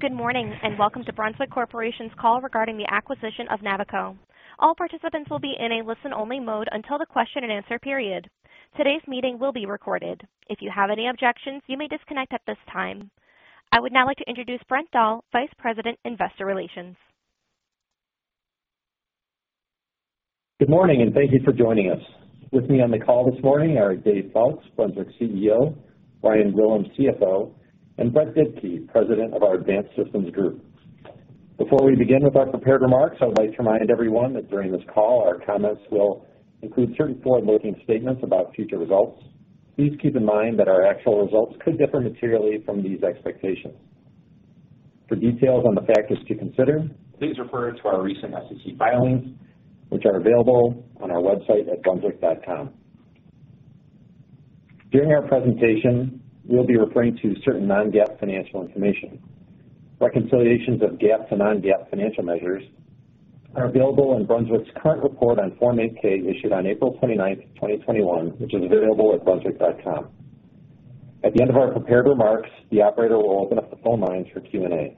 Good morning and welcome to Brunswick Corporation's call regarding the acquisition of Navico. All participants will be in a listen-only mode until the question and answer period. Today's meeting will be recorded. If you have any objections, you may disconnect at this time. I would now like to introduce Brent Dahl, Vice President, Investor Relations. Good morning and thank you for joining us. With me on the call this morning are Dave Foulkes, Brunswick CEO, Ryan Gwillim, CFO, and Brett Dibkey, President of our Advanced Systems Group. Before we begin with our prepared remarks, I would like to remind everyone that during this call our comments will include certain forward-looking statements about future results. Please keep in mind that our actual results could differ materially from these expectations. For details on the factors to consider, please refer to our recent SEC filings, which are available on our website at brunswick.com. During our presentation, we'll be referring to certain Non-GAAP financial information. Reconciliations of GAAP to Non-GAAP financial measures are available in Brunswick's current report on Form 8-K issued on April 29, 2021, which is available at brunswick.com. At the end of our prepared remarks, the operator will open up the phone lines for Q&A.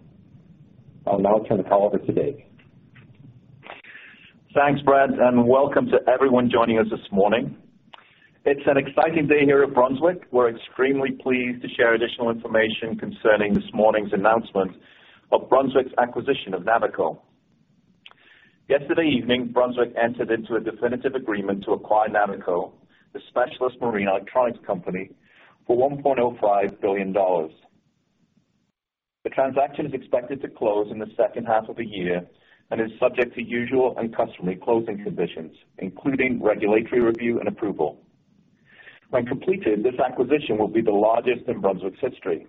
I'll now turn the call over to Dave. Thanks, Brent, and welcome to everyone joining us this morning. It's an exciting day here at Brunswick. We're extremely pleased to share additional information concerning this morning's announcement of Brunswick's acquisition of Navico. Yesterday evening, Brunswick entered into a definitive agreement to acquire Navico, the specialist marine electronics company, for $1.05 billion. The transaction is expected to close in the second half of the year and is subject to usual and customary closing conditions, including regulatory review and approval. When completed, this acquisition will be the largest in Brunswick's history.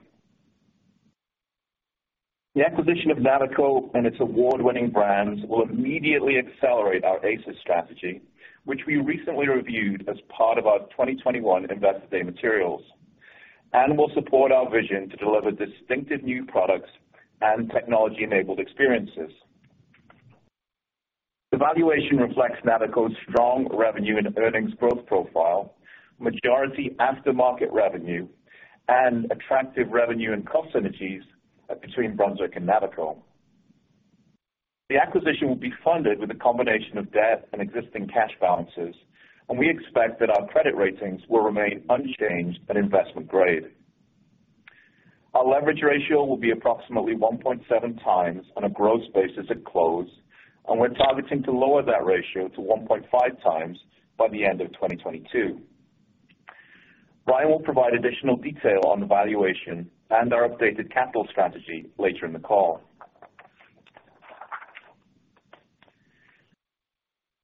The acquisition of Navico and its award-winning brands will immediately accelerate our ACES strategy, which we recently reviewed as part of our 2021 Investor Day materials, and will support our vision to deliver distinctive new products and technology-enabled experiences. The valuation reflects Navico's strong revenue and earnings growth profile, majority aftermarket revenue, and attractive revenue and cost synergies between Brunswick and Navico. The acquisition will be funded with a combination of debt and existing cash balances, and we expect that our credit ratings will remain unchanged at investment grade. Our leverage ratio will be approximately 1.7x on a gross basis at close, and we're targeting to lower that ratio to 1.5x by the end of 2022. Ryan will provide additional detail on the valuation and our updated capital strategy later in the call.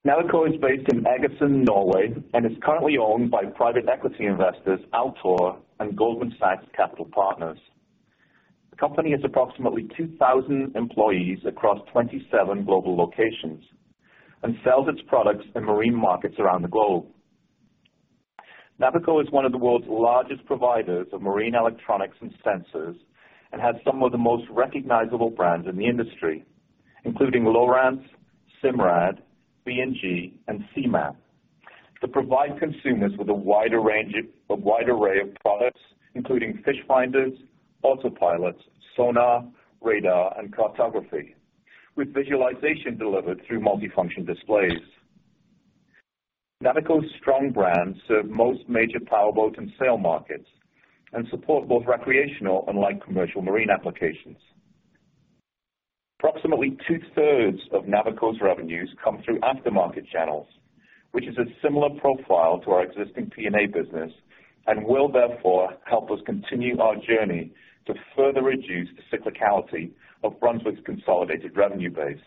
Navico is based in Egersund, Norway, and is currently owned by private equity investors Altor and Goldman Sachs Capital Partners. The company has approximately 2,000 employees across 27 global locations and sells its products in marine markets around the globe. Navico is one of the world's largest providers of marine electronics and sensors and has some of the most recognizable brands in the industry, including Lowrance, Simrad, B&G, and C-MAP, to provide consumers with a wide array of products, including fish finders, autopilots, sonar, radar, and cartography, with visualization delivered through multifunction displays. Navico's strong brand serves most major powerboats and sail markets and supports both recreational and light commercial marine applications. Approximately two-thirds of Navico's revenues come through aftermarket channels, which is a similar profile to our existing P&A business and will therefore help us continue our journey to further reduce the cyclicality of Brunswick's consolidated revenue base.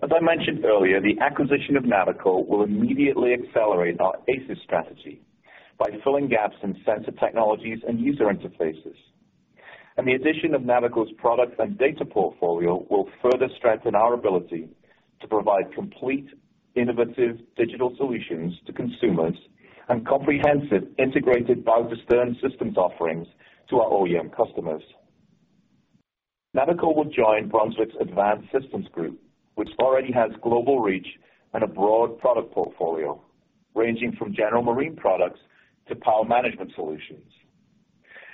As I mentioned earlier, the acquisition of Navico will immediately accelerate our ACES strategy by filling gaps in sensor technologies and user interfaces, and the addition of Navico's product and data portfolio will further strengthen our ability to provide complete, innovative digital solutions to consumers and comprehensive integrated boat systems offerings to our OEM customers. Navico will join Brunswick's Advanced Systems Group, which already has global reach and a broad product portfolio ranging from general marine products to power management solutions.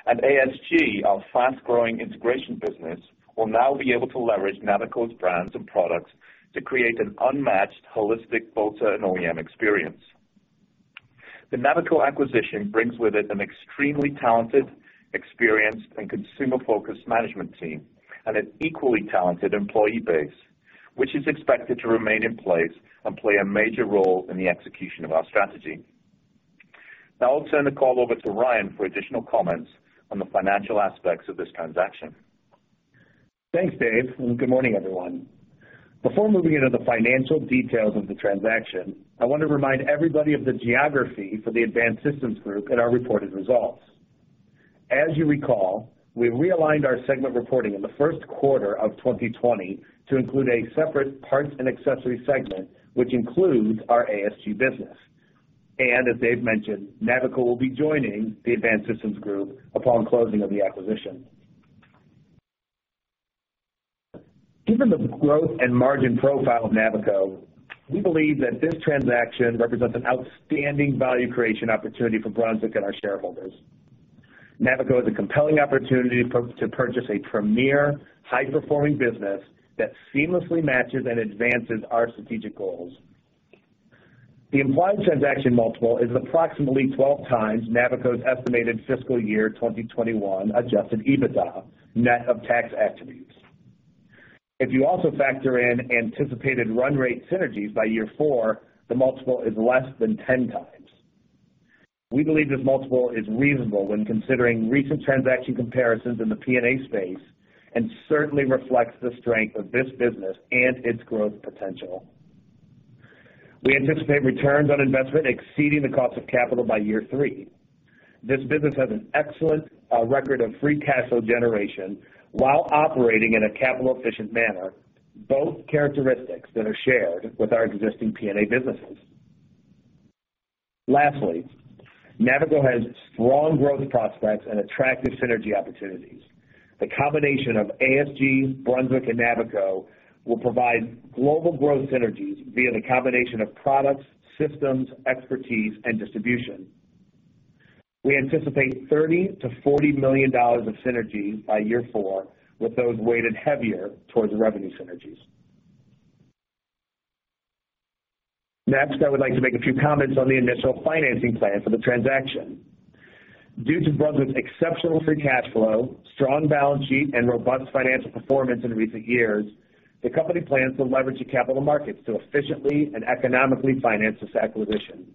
And ASG, our fast-growing integration business, will now be able to leverage Navico's brands and products to create an unmatched holistic boater and OEM experience. The Navico acquisition brings with it an extremely talented, experienced, and consumer-focused management team and an equally talented employee base, which is expected to remain in place and play a major role in the execution of our strategy. Now I'll turn the call over to Ryan for additional comments on the financial aspects of this transaction. Thanks, Dave, and good morning, everyone. Before moving into the financial details of the transaction, I want to remind everybody of the geography for the Advanced Systems Group in our reported results. As you recall, we realigned our segment reporting in the first quarter of 2020 to include a separate Parts and Accessories segment, which includes our ASG business, and as Dave mentioned, Navico will be joining the Advanced Systems Group upon closing of the acquisition. Given the growth and margin profile of Navico, we believe that this transaction represents an outstanding value creation opportunity for Brunswick and our shareholders. Navico is a compelling opportunity to purchase a premier, high-performing business that seamlessly matches and advances our strategic goals. The implied transaction multiple is approximately 12x Navico's estimated fiscal year 2021 Adjusted EBITDA net of tax attributes. If you also factor in anticipated run rate synergies by year four, the multiple is less than 10x. We believe this multiple is reasonable when considering recent transaction comparisons in the P&A space and certainly reflects the strength of this business and its growth potential. We anticipate returns on investment exceeding the cost of capital by year three. This business has an excellent record of free cash flow generation while operating in a capital-efficient manner, both characteristics that are shared with our existing P&A businesses. Lastly, Navico has strong growth prospects and attractive synergy opportunities. The combination of ASG, Brunswick, and Navico will provide global growth synergies via the combination of products, systems, expertise, and distribution. We anticipate $30 million-$40 million of synergies by year four, with those weighted heavier towards revenue synergies. Next, I would like to make a few comments on the initial financing plan for the transaction. Due to Brunswick's exceptional free cash flow, strong balance sheet, and robust financial performance in recent years, the company plans to leverage the capital markets to efficiently and economically finance this acquisition.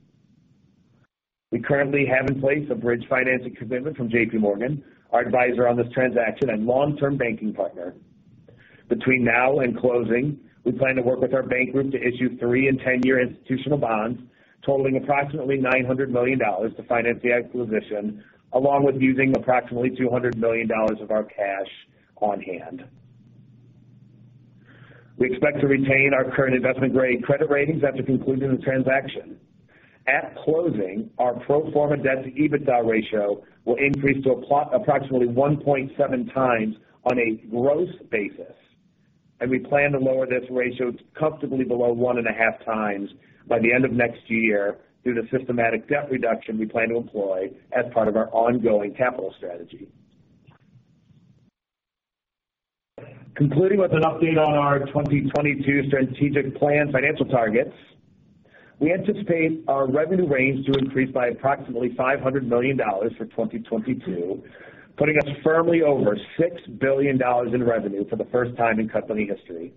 We currently have in place a bridge financing commitment from JPMorgan, our advisor on this transaction, and long-term banking partner. Between now and closing, we plan to work with our bank group to issue three and 10-year institutional bonds totaling approximately $900 million to finance the acquisition, along with using approximately $200 million of our cash on hand. We expect to retain our current investment-grade credit ratings after concluding the transaction. At closing, our pro forma debt-to-EBITDA ratio will increase to approximately 1.7x on a gross basis, and we plan to lower this ratio comfortably below one and a half times by the end of next year due to the systematic debt reduction we plan to employ as part of our ongoing capital strategy. Concluding with an update on our 2022 strategic plan financial targets, we anticipate our revenue range to increase by approximately $500 million for 2022, putting us firmly over $6 billion in revenue for the first time in company history.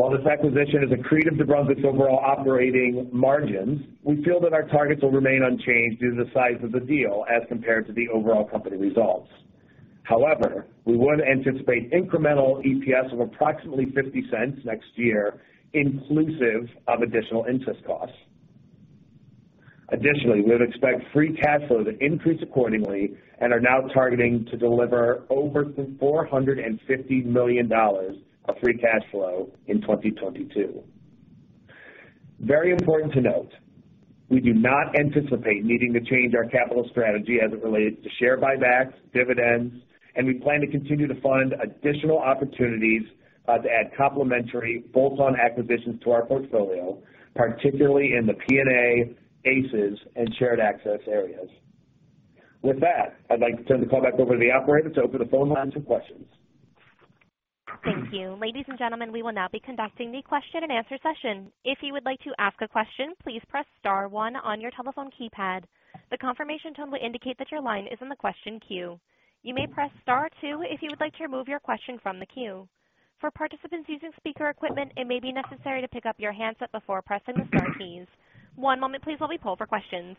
While this acquisition is accretive to Brunswick's overall operating margins, we feel that our targets will remain unchanged due to the size of the deal as compared to the overall company results. However, we would anticipate incremental EPS of approximately $0.50 next year, inclusive of additional interest costs. Additionally, we would expect free cash flow to increase accordingly and are now targeting to deliver over $450 million of free cash flow in 2022. Very important to note, we do not anticipate needing to change our capital strategy as it relates to share buybacks, dividends, and we plan to continue to fund additional opportunities to add complementary bolt-on acquisitions to our portfolio, particularly in the P&A, ACES, and Shared Access areas. With that, I'd like to turn the call back over to the operator to open the phone lines for questions. Thank you. Ladies and gentlemen, we will now be conducting the question-and-answer session. If you would like to ask a question, please press star one on your telephone keypad. The confirmation tone will indicate that your line is in the question queue. You may press star two if you would like to remove your question from the queue. For participants using speaker equipment, it may be necessary to pick up your handset before pressing the star keys. One moment, please, while we pull for questions.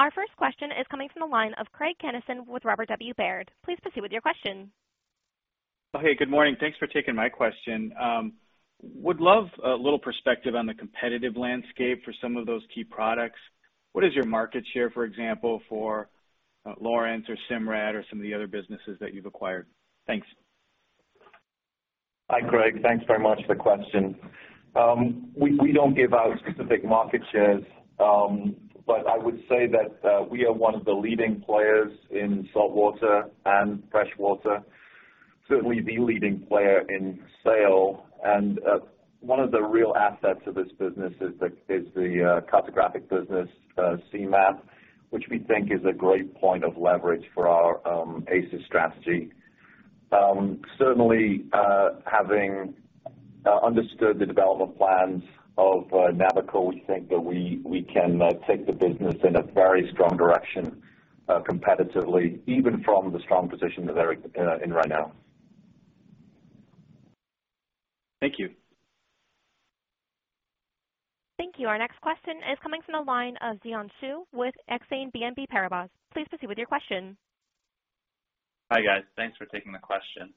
Our first question is coming from the line of Craig Kennison with Robert W. Baird. Please proceed with your question. Okay. Good morning. Thanks for taking my question. Would love a little perspective on the competitive landscape for some of those key products. What is your market share, for example, for Lowrance or Simrad or some of the other businesses that you've acquired? Thanks. Hi, Craig. Thanks very much for the question. We don't give out specific market shares, but I would say that we are one of the leading players in saltwater and freshwater, certainly the leading player in sail. And one of the real assets of this business is the cartographic business, C-MAP, which we think is a great point of leverage for our ACES strategy. Certainly, having understood the development plans of Navico, we think that we can take the business in a very strong direction competitively, even from the strong position that they're in right now. Thank you. Thank you. Our next question is coming from the line of Xian Siew with Exane BNP Paribas. Please proceed with your question. Hi, guys. Thanks for taking the question.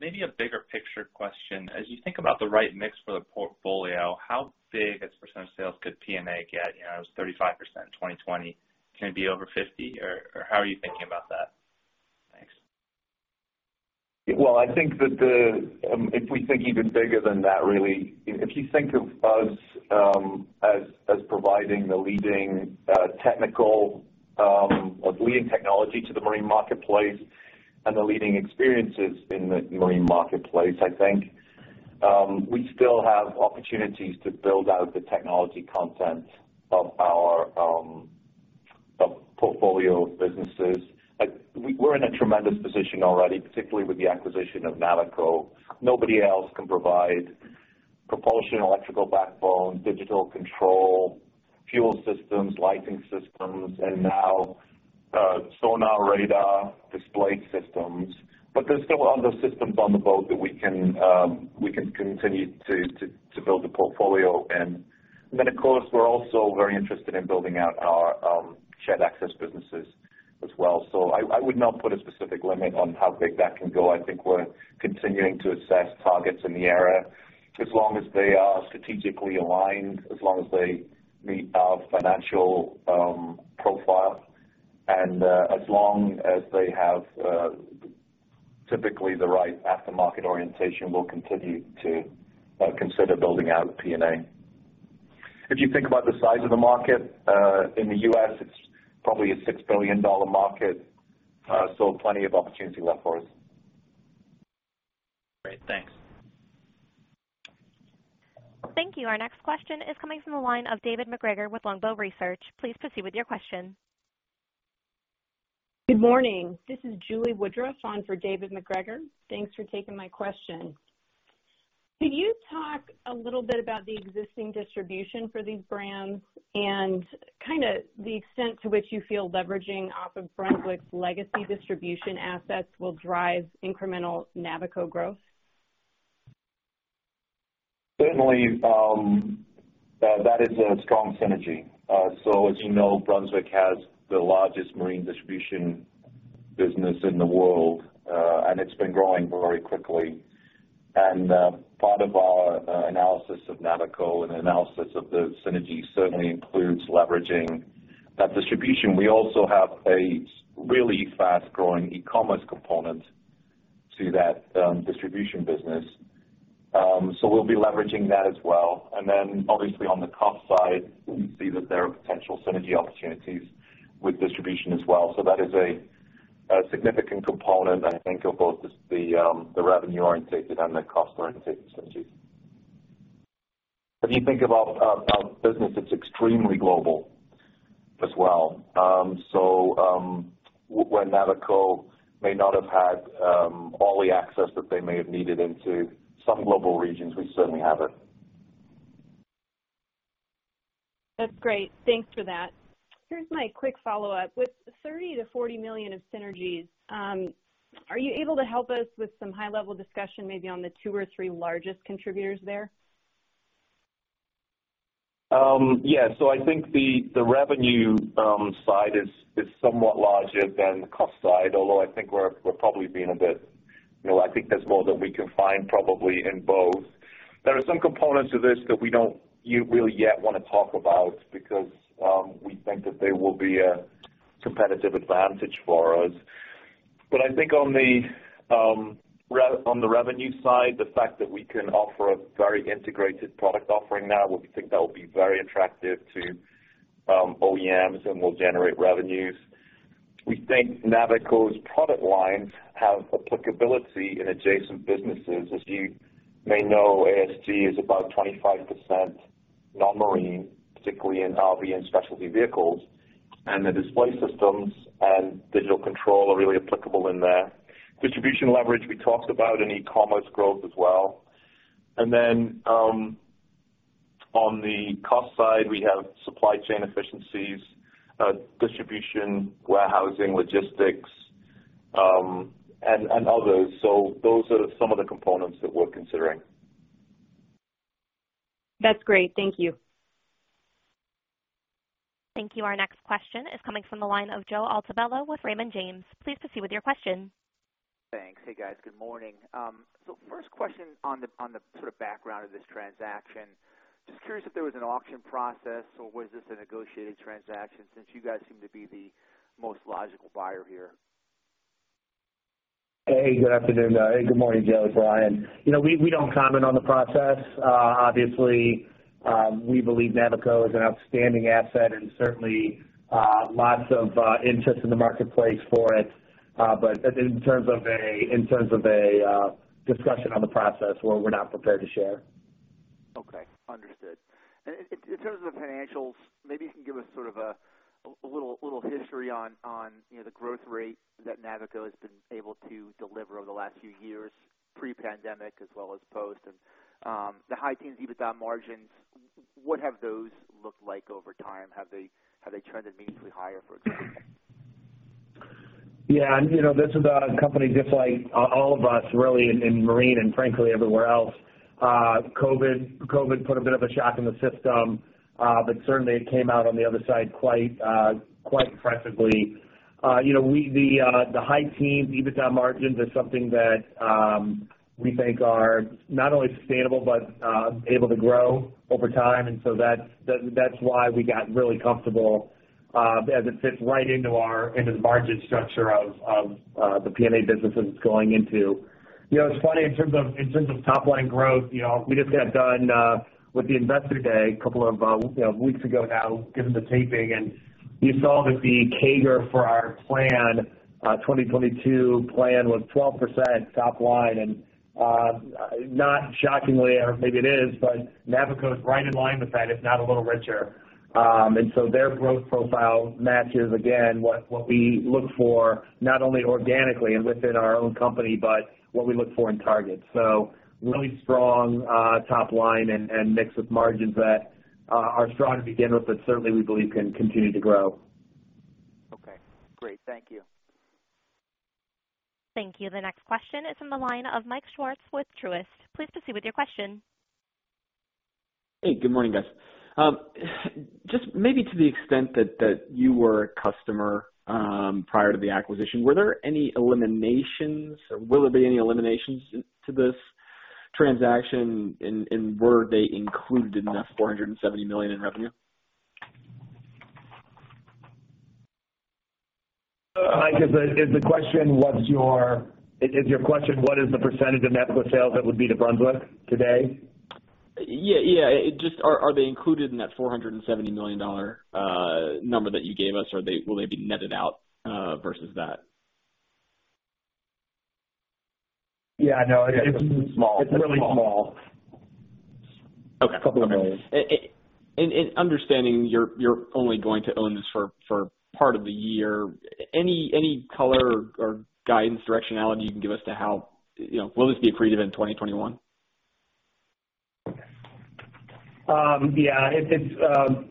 Maybe a bigger picture question. As you think about the right mix for the portfolio, how big a percent of sales could P&A get? It was 35% in 2020. Can it be over 50%? Or how are you thinking about that? Thanks. I think that if we think even bigger than that, really, if you think of us as providing the leading technology to the marine marketplace and the leading experiences in the marine marketplace, I think we still have opportunities to build out the technology content of our portfolio of businesses. We're in a tremendous position already, particularly with the acquisition of Navico. Nobody else can provide propulsion, electrical backbone, digital control, fuel systems, lighting systems, and now sonar, radar, display systems. But there's still other systems on the boat that we can continue to build the portfolio in. And then, of course, we're also very interested in building out our shared access businesses as well. So I would not put a specific limit on how big that can go. I think we're continuing to assess targets in the area as long as they are strategically aligned, as long as they meet our financial profile, and as long as they have typically the right aftermarket orientation, we'll continue to consider building out P&A. If you think about the size of the market in the U.S., it's probably a $6 billion market, so plenty of opportunity left for us. Great. Thanks. Thank you. Our next question is coming from the line of David MacGregor with Longbow Research. Please proceed with your question. Good morning. This is Julie Woodruff on for David MacGregor. Thanks for taking my question. Can you talk a little bit about the existing distribution for these brands and kind of the extent to which you feel leveraging off of Brunswick's legacy distribution assets will drive incremental Navico growth? Certainly, that is a strong synergy. So, as you know, Brunswick has the largest marine distribution business in the world, and it's been growing very quickly. And part of our analysis of Navico and analysis of the synergy certainly includes leveraging that distribution. We also have a really fast-growing e-commerce component to that distribution business. So we'll be leveraging that as well. And then, obviously, on the cost side, we see that there are potential synergy opportunities with distribution as well. So that is a significant component, I think, of both the revenue-oriented and the cost-oriented synergies. If you think about our business, it's extremely global as well. So where Navico may not have had all the access that they may have needed into some global regions, we certainly have it. That's great. Thanks for that. Here's my quick follow-up. With $30 million-$40 million of synergies, are you able to help us with some high-level discussion maybe on the two or three largest contributors there? Yeah. So I think the revenue side is somewhat larger than the cost side, although I think we're probably being a bit—I think there's more that we can find probably in both. There are some components of this that we don't really yet want to talk about because we think that will be a competitive advantage for us. But I think on the revenue side, the fact that we can offer a very integrated product offering now, we think that will be very attractive to OEMs and will generate revenues. We think Navico's product lines have applicability in adjacent businesses. As you may know, ASG is about 25% non-marine, particularly in RV and specialty vehicles, and the display systems and digital control are really applicable in there. Distribution leverage, we talked about, and e-commerce growth as well. On the cost side, we have supply chain efficiencies, distribution, warehousing, logistics, and others. Those are some of the components that we're considering. That's great. Thank you. Thank you. Our next question is coming from the line of Joe Altobello with Raymond James. Please proceed with your question. Thanks. Hey, guys. Good morning. So first question on the sort of background of this transaction. Just curious if there was an auction process or was this a negotiated transaction, since you guys seem to be the most logical buyer here? Hey, good afternoon. Good morning, Joe, Ryan. We don't comment on the process. Obviously, we believe Navico is an outstanding asset and certainly lots of interest in the marketplace for it. But in terms of a discussion on the process, we're not prepared to share. Okay. Understood. In terms of the financials, maybe you can give us sort of a little history on the growth rate that Navico has been able to deliver over the last few years, pre-pandemic as well as post, and the high teens EBITDA margins. What have those looked like over time? Have they trended meaningfully higher, for example? Yeah. This is a company just like all of us, really, in marine and frankly everywhere else. COVID put a bit of a shock in the system, but certainly it came out on the other side quite impressively. The high teens EBITDA margins are something that we think are not only sustainable but able to grow over time. And so that's why we got really comfortable as it fits right into our margin structure of the P&A businesses it's going into. It's funny, in terms of top-line growth, we just got done with the investor day a couple of weeks ago now, given the timing, and you saw that the CAGR for our 2022 plan was 12% top-line. And not shockingly, or maybe it is, but Navico is right in line with that, if not a little richer. And so their growth profile matches, again, what we look for not only organically and within our own company but what we look for in targets. So really strong top-line and mix of margins that are strong to begin with that certainly we believe can continue to grow. Okay. Great. Thank you. Thank you. The next question is from the line of Mike Swartz with Truist. Please proceed with your question. Hey, good morning, guys. Just maybe to the extent that you were a customer prior to the acquisition, were there any eliminations or will there be any eliminations to this transaction, and were they included in that $470 million in revenue? Is your question what is the percentage of Navico sales that would be to Brunswick today? Yeah. Yeah. Just are they included in that $470 million number that you gave us, or will they be netted out versus that? Yeah. No. It's really small. It's really small. Okay, and understanding you're only going to own this for part of the year, any color or guidance, directionality you can give us to how will this be accretive in 2021? Yeah.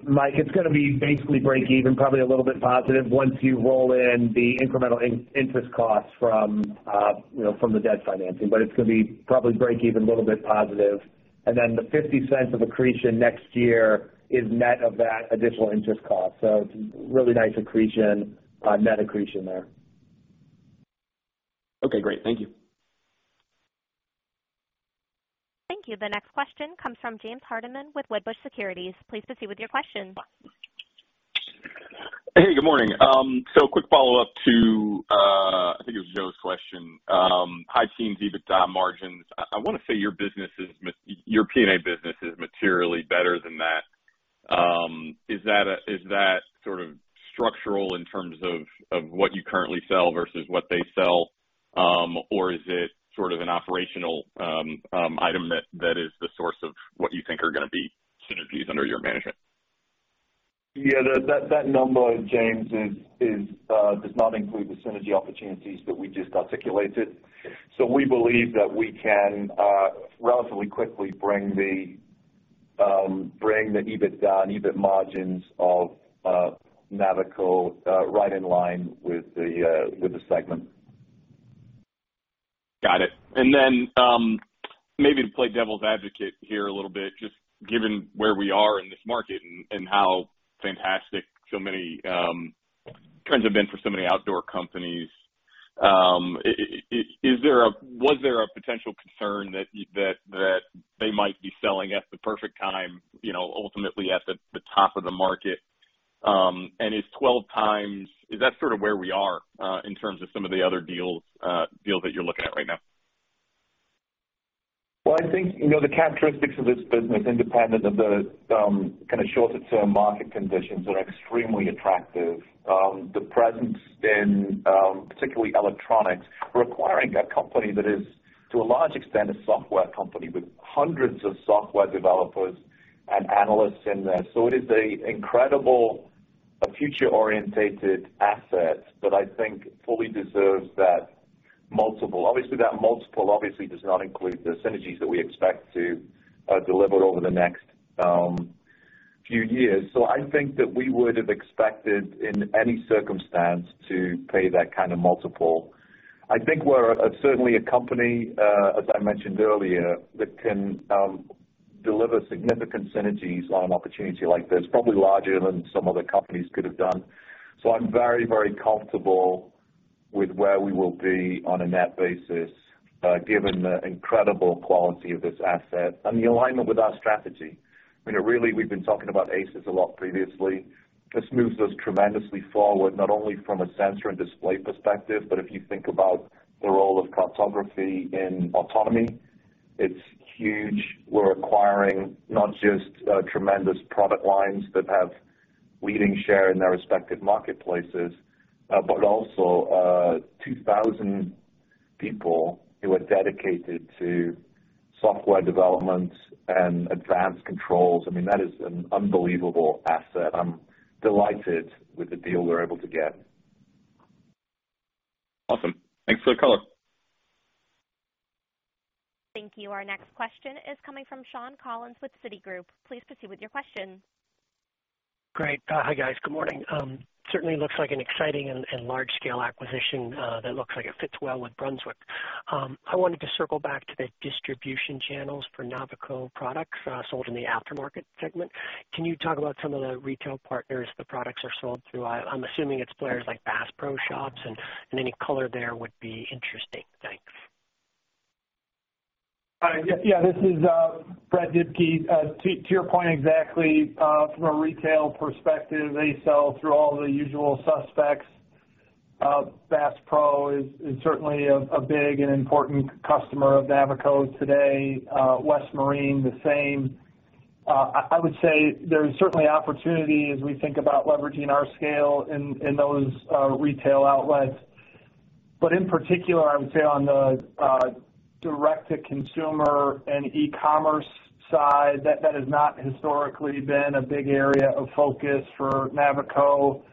Mike, it's going to be basically break-even, probably a little bit positive once you roll in the incremental interest costs from the debt financing. But it's going to be probably break-even, a little bit positive. And then the $0.50 of accretion next year is net of that additional interest cost. So it's a really nice net accretion there. Okay. Great. Thank you. Thank you. The next question comes from James Hardiman with Wedbush Securities. Please proceed with your question. Hey, good morning. So a quick follow-up to, I think it was Joe's question, high teens EBITDA margins. I want to say your P&A business is materially better than that. Is that sort of structural in terms of what you currently sell versus what they sell, or is it sort of an operational item that is the source of what you think are going to be synergies under your management? Yeah. That number, James, does not include the synergy opportunities that we just articulated. So we believe that we can relatively quickly bring the EBITDA and EBIT margins of Navico right in line with the segment. Got it, and then maybe to play devil's advocate here a little bit, just given where we are in this market and how fantastic so many trends have been for so many outdoor companies, was there a potential concern that they might be selling at the perfect time, ultimately at the top of the market, and is 12x, is that sort of where we are in terms of some of the other deals that you're looking at right now? I think the characteristics of this business, independent of the kind of shorter-term market conditions, are extremely attractive. The presence, particularly in electronics, requiring a company that is, to a large extent, a software company with hundreds of software developers and analysts in there. So it is an incredible future-oriented asset that I think fully deserves that multiple. Obviously, that multiple does not include the synergies that we expect to deliver over the next few years. So I think that we would have expected, in any circumstance, to pay that kind of multiple. I think we're certainly a company, as I mentioned earlier, that can deliver significant synergies on an opportunity like this, probably larger than some other companies could have done. So I'm very, very comfortable with where we will be on a net basis given the incredible quality of this asset and the alignment with our strategy. I mean, really, we've been talking about ACES a lot previously. This moves us tremendously forward, not only from a sensor and display perspective, but if you think about the role of cartography in autonomy, it's huge. We're acquiring not just tremendous product lines that have leading share in their respective marketplaces, but also 2,000 people who are dedicated to software development and advanced controls. I mean, that is an unbelievable asset. I'm delighted with the deal we're able to get. Awesome. Thanks for the color. Thank you. Our next question is coming from Sean Collins with Citigroup. Please proceed with your question. Great. Hi, guys. Good morning. Certainly looks like an exciting and large-scale acquisition that looks like it fits well with Brunswick. I wanted to circle back to the distribution channels for Navico products sold in the aftermarket segment. Can you talk about some of the retail partners the products are sold through? I'm assuming it's players like Bass Pro Shops, and any color there would be interesting. Thanks. Yeah. This is Brett Dibkey. To your point, exactly from a retail perspective, they sell through all the usual suspects. Bass Pro is certainly a big and important customer of Navico today. West Marine, the same. I would say there is certainly opportunity as we think about leveraging our scale in those retail outlets. But in particular, I would say on the direct-to-consumer and e-commerce side, that has not historically been a big area of focus for Navico.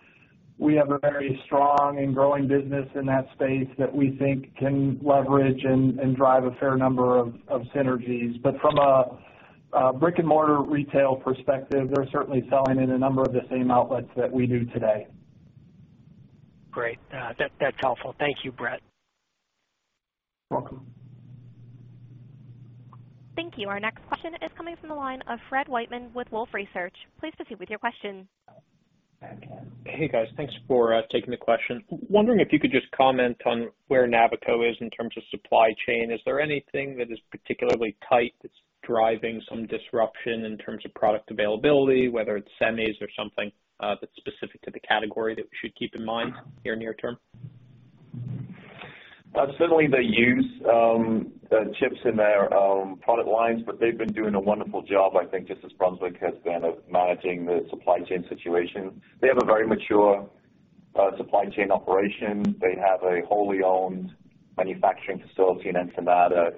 We have a very strong and growing business in that space that we think can leverage and drive a fair number of synergies. But from a brick-and-mortar retail perspective, they're certainly selling in a number of the same outlets that we do today. Great. That's helpful. Thank you, Brett. You're welcome. Thank you. Our next question is coming from the line of Fred Wightman with Wolfe Research. Please proceed with your question. Hey, guys. Thanks for taking the question. Wondering if you could just comment on where Navico is in terms of supply chain. Is there anything that is particularly tight that's driving some disruption in terms of product availability, whether it's semis or something that's specific to the category that we should keep in mind here near term? Certainly the use of chips in their product lines, but they've been doing a wonderful job, I think, just as Brunswick has been of managing the supply chain situation. They have a very mature supply chain operation. They have a wholly-owned manufacturing facility in Ensenada,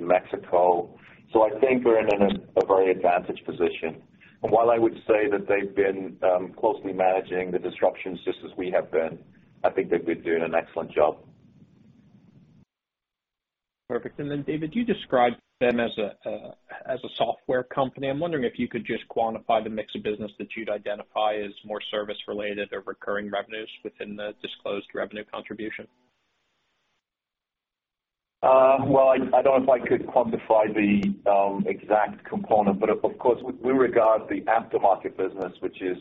Mexico, so I think we're in a very advantaged position, and while I would say that they've been closely managing the disruptions just as we have been, I think they've been doing an excellent job. Perfect. And then, David, you described them as a software company. I'm wondering if you could just quantify the mix of business that you'd identify as more service-related or recurring revenues within the disclosed revenue contribution? I don't know if I could quantify the exact component, but of course, we regard the aftermarket business, which is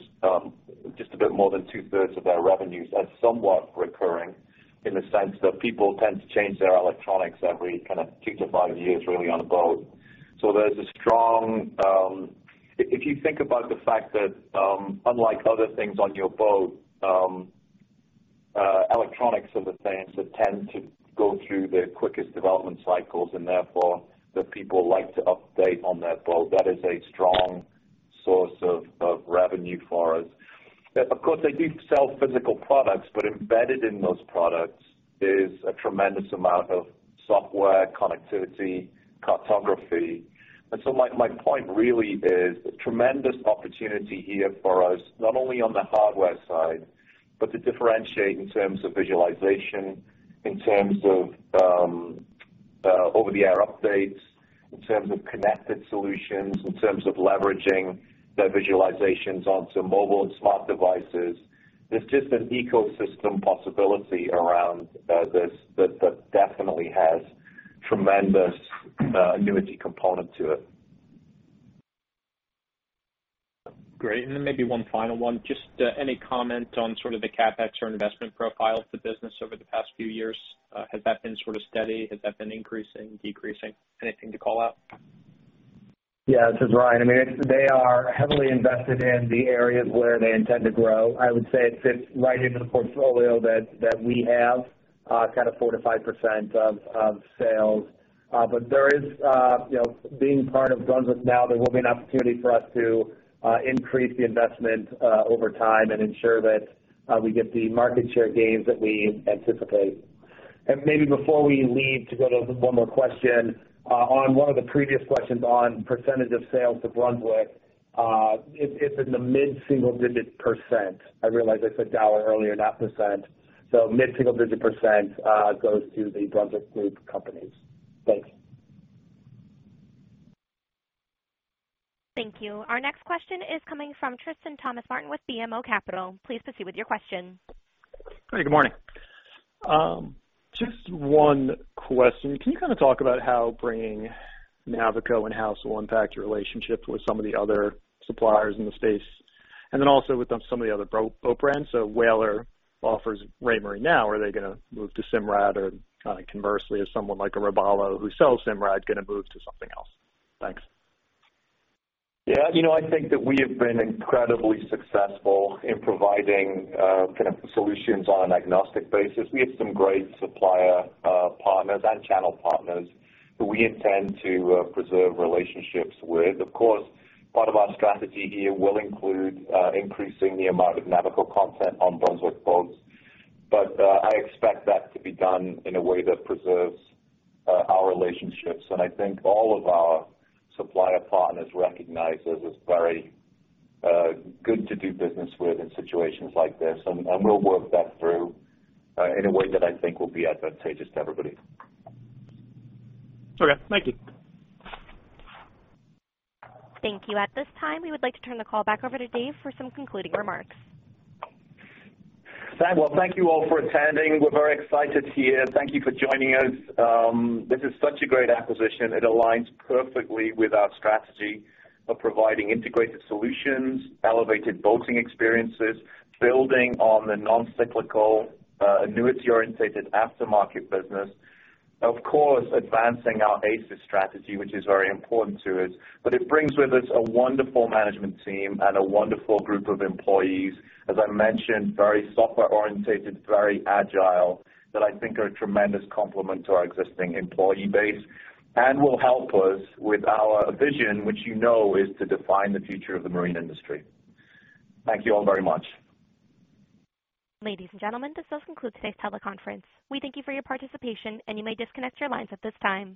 just a bit more than two-thirds of their revenues, as somewhat recurring in the sense that people tend to change their electronics every kind of two to five years, really, on a boat. So there's a strong, if you think about the fact that, unlike other things on your boat, electronics are the things that tend to go through the quickest development cycles, and therefore the people like to update on their boat. That is a strong source of revenue for us. Of course, they do sell physical products, but embedded in those products is a tremendous amount of software connectivity, cartography. And so my point really is a tremendous opportunity here for us, not only on the hardware side, but to differentiate in terms of visualization, in terms of over-the-air updates, in terms of connected solutions, in terms of leveraging their visualizations onto mobile and smart devices. There's just an ecosystem possibility around this that definitely has tremendous annuity component to it. Great. And then maybe one final one. Just any comment on sort of the CapEx or investment profile for the business over the past few years? Has that been sort of steady? Has that been increasing, decreasing? Anything to call out? Yeah. This is Ryan. I mean, they are heavily invested in the areas where they intend to grow. I would say it fits right into the portfolio that we have, kind of 4%-5% of sales. But there is, being part of Brunswick now, there will be an opportunity for us to increase the investment over time and ensure that we get the market share gains that we anticipate, and maybe before we leave to go to one more question, on one of the previous questions on percentage of sales to Brunswick, it's in the mid-single-digit percent. I realize I said dollar earlier, not percent, so mid-single-digit percent goes to the Brunswick Group companies. Thanks. Thank you. Our next question is coming from Tristan Thomas-Martin with BMO Capital. Please proceed with your question. Hey, good morning. Just one question. Can you kind of talk about how bringing Navico in-house will impact your relationship with some of the other suppliers in the space? And then also with some of the other boat brands. So Whaler offers Raymarine now. Are they going to move to Simrad, or conversely, is someone like a Robalo who sells Simrad going to move to something else? Thanks. Yeah. I think that we have been incredibly successful in providing kind of solutions on an agnostic basis. We have some great supplier partners and channel partners who we intend to preserve relationships with. Of course, part of our strategy here will include increasing the amount of Navico content on Brunswick boats. But I expect that to be done in a way that preserves our relationships. And I think all of our supplier partners recognize us as very good to do business with in situations like this. And we'll work that through in a way that I think will be advantageous to everybody. Okay. Thank you. Thank you. At this time, we would like to turn the call back over to Dave for some concluding remarks. Thank you all for attending. We're very excited here. Thank you for joining us. This is such a great acquisition. It aligns perfectly with our strategy of providing integrated solutions, elevated boating experiences, building on the non-cyclical annuity-oriented aftermarket business, of course, advancing our ACES strategy, which is very important to us. But it brings with us a wonderful management team and a wonderful group of employees, as I mentioned, very software-oriented, that I think are a tremendous complement to our existing employee base and will help us with our vision, which you know is to define the future of the marine industry. Thank you all very much. Ladies and gentlemen, this does conclude today's teleconference. We thank you for your participation, and you may disconnect your lines at this time.